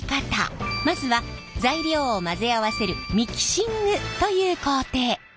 まずは材料を混ぜ合わせるミキシングという工程。